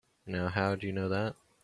Now how'd you know that?